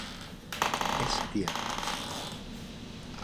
Es ciega.